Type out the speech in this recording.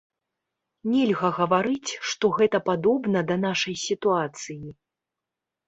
Нельга гаварыць, што гэта падобна да нашай сітуацыі.